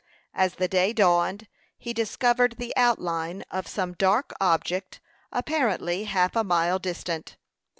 As the day dawned, he discovered the outline of some dark object, apparently half a mile distant.